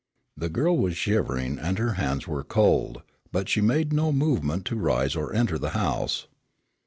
The girl was shivering, and her hands were cold, but she made no movement to rise or enter the house.